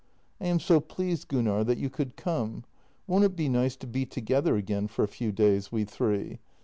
" I am so pleased, Gunnar, that you could come. Won't it be nice to be together again for a few days, we three?